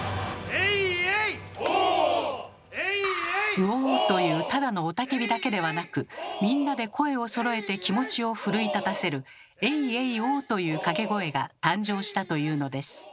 「ウォ」というただの雄たけびではなくみんなで声をそろえて気持ちを奮い立たせる「エイエイオー」という掛け声が誕生したというのです。